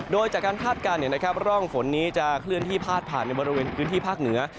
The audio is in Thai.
โดยจากการคาดการณ์ร่องฝนนี้จะเคลื่อนที่พาดผ่านในบริเวณพื้นที่ภาคเหนือ